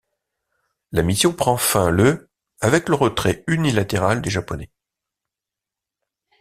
La mission prend fin le avec le retrait unilatéral des Japonais.